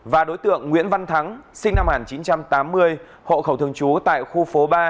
và đối tượng nguyễn văn thắng sinh năm một nghìn chín trăm tám mươi hộ khẩu thường trú tại khu phố ba